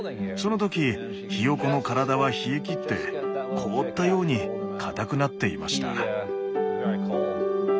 その時ヒヨコの体は冷えきって凍ったようにかたくなっていました。